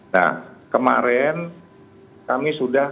nah kemarin kami sudah